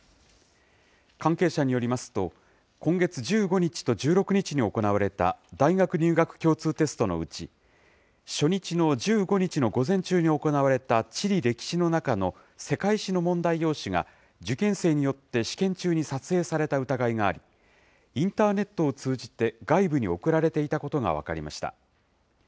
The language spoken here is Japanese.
関係者によりますと、今月１５日と１６日に行われた大学入学共通テストのうち、初日の１５日の午前中に行われた地理歴史の中の世界史の問題用紙が、受験生によって試験中に撮影された疑いがあり、インターネットを通じて外部に送られていたことが分かりました。